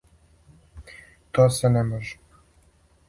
То се не може.